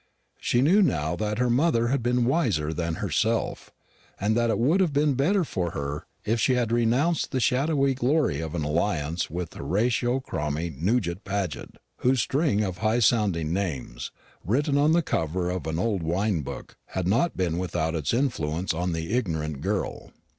She knew now that her mother had been wiser than herself, and that it would have been better for her if she had renounced the shadowy glory of an alliance with Horatio Cromie Nugent Paget, whose string of high sounding names, written on the cover of an old wine book, had not been without its influence on the ignorant girl.